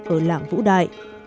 ở làng vũ đại